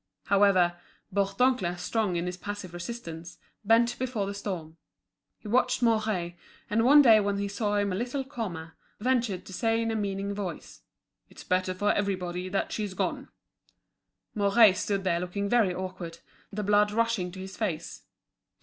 However, Bourdoncle, strong in his passive resistance, bent before the storm. He watched Mouret, and one day when he saw him a little calmer, ventured to say in a meaning voice: "It's better for everybody that she's gone." Mouret stood there looking very awkward, the blood rushing to his face.